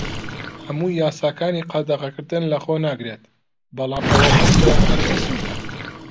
هەموو یاساکانی قەدەغەکردن لەخۆ ناگرێت، بەڵام ئەوە هێشتا هەر بەسوودە.